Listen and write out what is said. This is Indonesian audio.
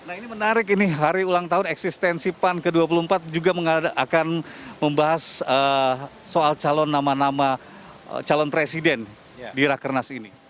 nah ini menarik ini hari ulang tahun eksistensi pan ke dua puluh empat juga akan membahas soal calon nama nama calon presiden di rakernas ini